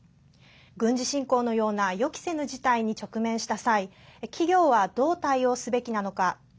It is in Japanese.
軍事侵攻のような予期せぬ事態に直面した際企業はどう対応すべきなのか。